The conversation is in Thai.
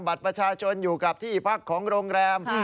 บัตรประชาชนอยู่กับที่พักของโรงแรม